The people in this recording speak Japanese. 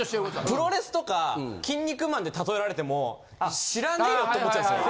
プロレスとか『キン肉マン』で例えられても知らねえよと思っちゃうんですよ。